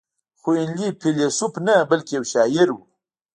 خو هنلي فيلسوف نه بلکې يو شاعر و.